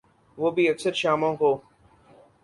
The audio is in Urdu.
وہ بھی اکثر شاموں کو۔